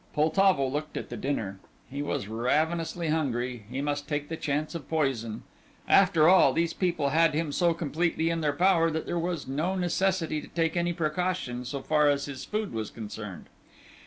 Poltavo looked at the dinner. He was ravenously hungry; he must take the chance of poison; after all, these people had him so completely in their power that there was no necessity to take any precaution so far as his food was concerned.